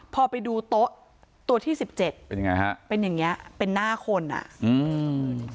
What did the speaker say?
พอไปดูโต๊ะตัวที่สิบเจ็ดเป็นยังไงฮะเป็นอย่างเงี้เป็นหน้าคนอ่ะอืม